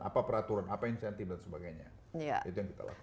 apa peraturan apa insentif dan sebagainya itu yang kita lakukan